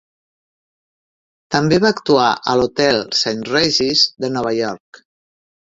També va actuar a l'Hotel Saint Regis de Nova York.